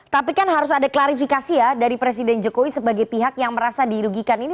tapi kan harus ada klarifikasi ya dari presiden jokowi sebagai pihak yang merasa dirugikan ini